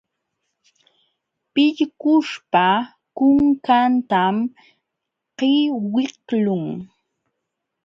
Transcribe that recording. Pillkuśhpa kunkantam qiwiqlun.